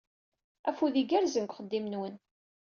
Afud igerrzen deg uxeddim-nwen!